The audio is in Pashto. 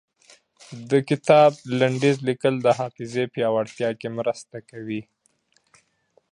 د کتاب لنډيز ليکل د حافظې پياوړتيا کې مرسته کوي.